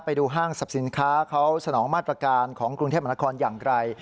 ห้างสรรพสินค้าเขาสนองมาตรการของกรุงเทพมนาคมอย่างไร